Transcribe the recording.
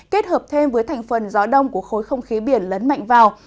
kết hợp thêm với thành phần gió đông của khối không khí biển lấn mạnh vào